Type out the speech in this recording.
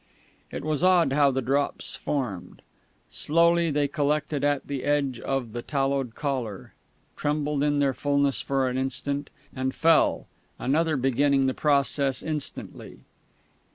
It was odd how the drops formed. Slowly they collected at the edge of the tallowed collar, trembled in their fullness for an instant, and fell, another beginning the process instantly.